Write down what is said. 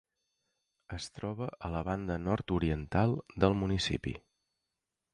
Es troba a la banda nord-oriental del municipi.